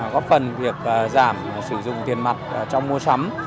góp phần việc giảm sử dụng tiền mặt trong mua sắm